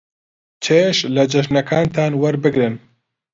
چێژ لە جەژنەکانتان وەربگرن.